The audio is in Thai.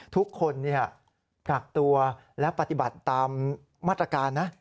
ทุกคนกักตัวและปฏิบัติตามมาตรการนะ